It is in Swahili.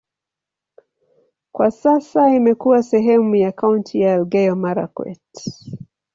Kwa sasa imekuwa sehemu ya kaunti ya Elgeyo-Marakwet.